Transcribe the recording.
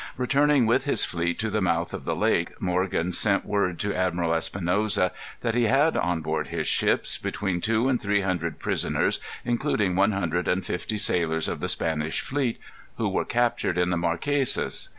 Returning with his fleet to the mouth of the lake, Morgan sent word to Admiral Espinosa that he had, on board his ships, between two and three hundred prisoners, including one hundred and fifty sailors of the Spanish fleet, who were captured in the Marquesas.